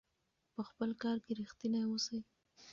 په خپل کار کې ریښتیني اوسئ.